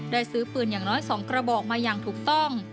ซื้อปืนอย่างน้อย๒กระบอกมาอย่างถูกต้อง